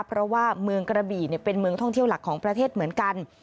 เพราะว่าเมืองกระบี่เป็นเมืองท่องเที่ยวหลักของประเทศเหมือนกัน